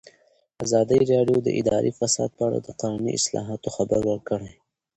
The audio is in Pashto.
ازادي راډیو د اداري فساد په اړه د قانوني اصلاحاتو خبر ورکړی.